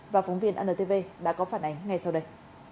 và phóng viên antv đã có phản ánh ngay sau đây